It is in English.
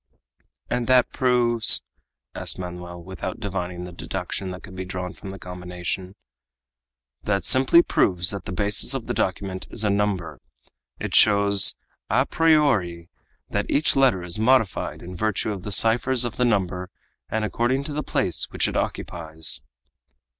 "And that proves?" asked Manoel, without divining the deduction that could be drawn from the combination. "That simply proves that the basis of the document is a number. It shows à priori that each letter is modified in virtue of the ciphers of the number and according to the place which it occupies."